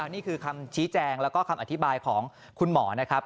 นี่คือคำชี้แจงแล้วก็คำอธิบายของคุณหมอนะครับ